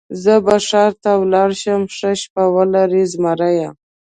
زه به ښار ته ولاړ شم، ښه شپه ولرئ زمري.